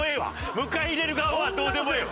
迎え入れる側はどうでもええわ。